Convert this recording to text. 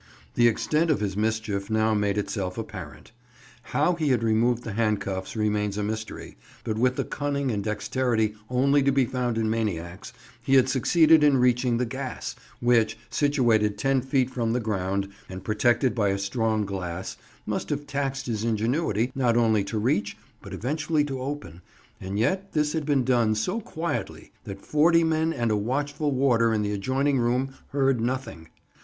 The extent of his mischief now made itself apparent. How he had removed the handcuffs remains a mystery, but with the cunning and dexterity only to be found in maniacs, he had succeeded in reaching the gas, which, situated ten feet from the ground, and protected by a strong glass, must have taxed his ingenuity, not only to reach, but eventually to open, and yet this had been done so quietly that forty men and a watchful warder in the adjoining room heard nothing.